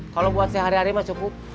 kalau buat sehari hari mah cukup